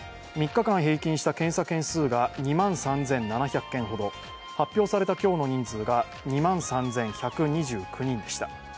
３日間平均した検査件数が２万３７００件ほど発表された今日の人数が２万３１２９人でした。